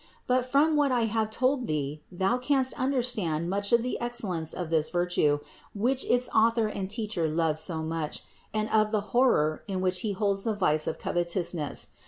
But from what I have told thee thou canst under stand much of the excellence of this virtue, which its Author and Teacher loved so much, and of the horror in which He holds the vice of covetousness.